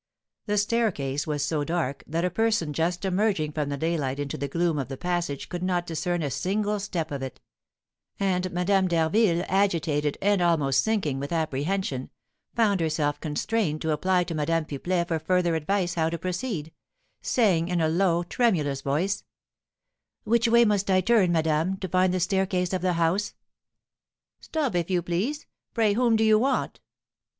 The staircase was so dark that a person just emerging from the daylight into the gloom of the passage could not discern a single step of it; and Madame d'Harville, agitated and almost sinking with apprehension, found herself constrained to apply to Madame Pipelet for further advice how to proceed, saying, in a low, tremulous voice: "Which way must I turn, madame, to find the staircase of the house?" "Stop, if you please. Pray, whom do you want?"